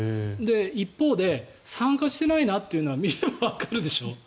一方で参加していないなっていうのは見ればわかるでしょ。